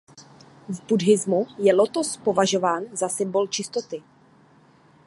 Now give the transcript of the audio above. V buddhismu je lotos považován za symbol čistoty.